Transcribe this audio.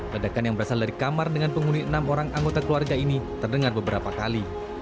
ledakan yang berasal dari kamar dengan penghuni enam orang anggota keluarga ini terdengar beberapa kali